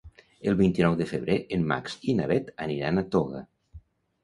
El vint-i-nou de febrer en Max i na Bet aniran a Toga.